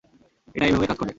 এটা এভাবেই কাজ করে!